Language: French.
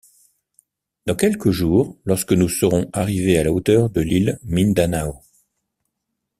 Dans quelques jours, lorsque nous serons arrivés à la hauteur de l’île Mindanao.